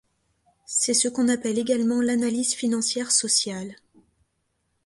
C'est ce qu'on appelle également l'analyse financière sociale.